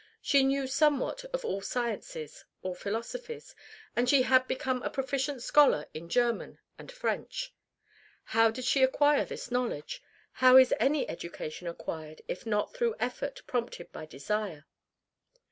She knew somewhat of all sciences, all philosophies, and she had become a proficient scholar in German and French. How did she acquire this knowledge? How is any education acquired if not through effort prompted by desire?